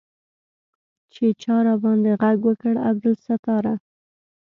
چې چا راباندې ږغ وکړ عبدالستاره.